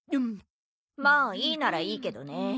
まあいいならいいけどね。